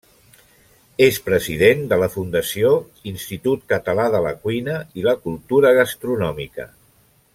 És president de la Fundació Institut Català de la Cuina i la Cultura Gastronòmica.